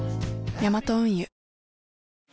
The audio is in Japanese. ヤマト運輸